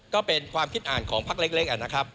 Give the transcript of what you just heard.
ก็เป็นความคิดอ่านของพักเล็กนะครับ